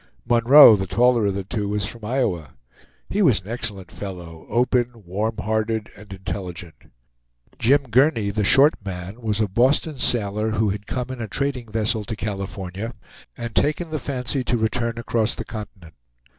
Munroe, the taller of the two, was from Iowa. He was an excellent fellow, open, warm hearted and intelligent. Jim Gurney, the short man, was a Boston sailor, who had come in a trading vessel to California, and taken the fancy to return across the continent.